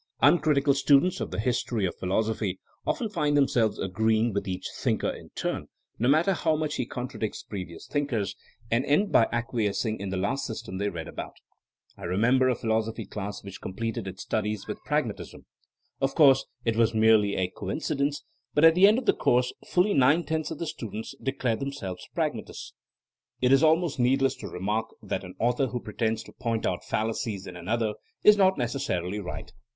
Uncritical students of the history of philoso phy often find themselves agreeing with each thinker in turn, no matter how much he contra dicts previous thinkers, and end by acquiescing in the last system they read about. I remember THINEINO AS A SCIENCE 169 a philosophy class which completed its studies with Pragmatism. Of course it was merely a coincidence, but at the end of the course fully nine tenths of the students declared themselves Pragmatists 1 It is almost needless to remark that an author who pretends to point out fallacies in another is not necessarily right.